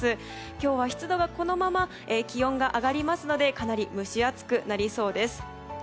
今日は、湿度がこのまま気温が上がりますのでかなり蒸し暑くなりそうです。